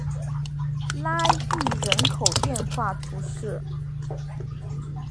拉戈人口变化图示